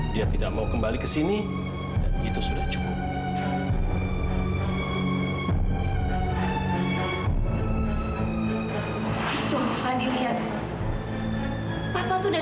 dia tidak mau kembali ke sini dan itu sudah cukup